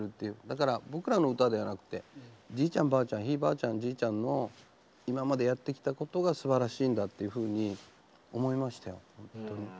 だから僕らの歌ではなくてじいちゃんばあちゃんひいばあちゃんじいちゃんの今までやってきたことがすばらしいんだっていうふうに思いましたよ。